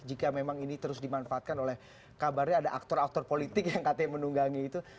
jika memang ini terus dimanfaatkan oleh kabarnya ada aktor aktor politik yang katanya menunggangi itu